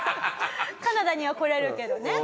カナダには来れるけどね。